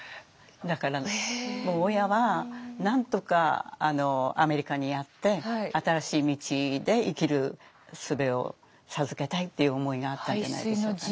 だからもう親はなんとかアメリカにやって新しい道で生きるすべを授けたいっていう思いがあったんじゃないでしょうかね。